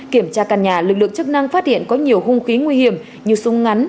kiểm tra căn nhà lực lượng chức năng phát hiện có nhiều hung khí nguy hiểm như súng ngắn